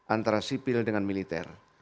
antara sipil dengan militer